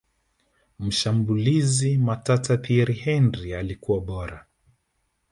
mshambulizi matata thiery henry alikuwa bora